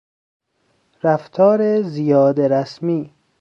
رفتار زیاده رسمی